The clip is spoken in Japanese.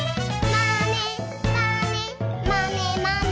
「まねまねまねまね」